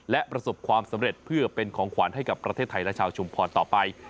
และประสบความสำเร็จเพื่อเป็นของขวัญให้กับประเทศไทยและชาวชุมพรต่อไป